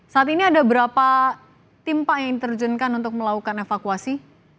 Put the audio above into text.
saat ini ada berapa tim pak yang diterjunkan untuk melakukan evakuasi